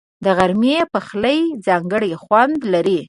د غرمې پخلی ځانګړی خوند لري